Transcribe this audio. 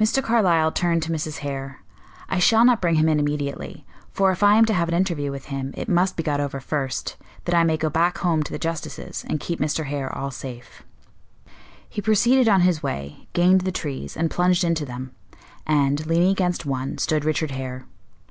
Mr. Carlyle turned to Mrs. Hare. "I shall not bring him in immediately; for if I am to have an interview with him, it must be got over first, that I may go back home to the justices, and keep Mr. Hare all safe." He proceeded on his way, gained the trees, and plunged into them; and, leaning against one, stood Richard Hare.